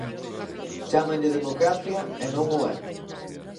Chámanlle democracia e non o é.